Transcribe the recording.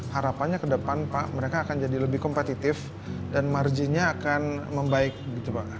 harapannya ke depan pak mereka akan jadi lebih kompetitif dan marginnya akan membaik gitu pak